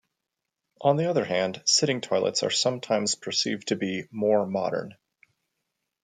On the other hand, sitting toilets are sometimes perceived to be "more modern".